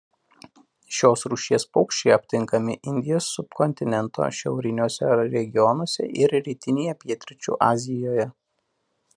Šios rūšies paukščiai aptinkami Indijos subkontinento šiauriniuose regionuose ir rytinėje pietryčių Azijoje.